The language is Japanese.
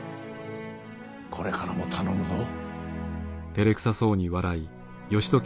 これからも頼むぞ。